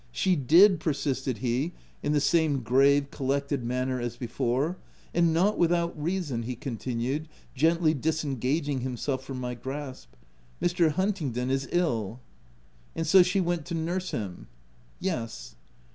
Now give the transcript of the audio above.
"She did," persisted he in the same grave, collected manner as before —" and not without reason," he continued, gently disengaging him self from my grasp :" Mr. Huntingdon is ill." " And so she went to nurse him ?" "Yes."